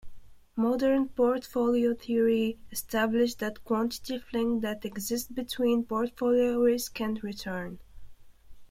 Modern portfolio theory established the quantitative link that exists between portfolio risk and return.